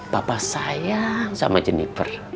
papa sayang sama jeniper